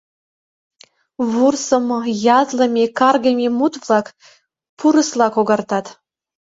Вурсымо, ятлыме, каргыме мут-влак пурысла когартат.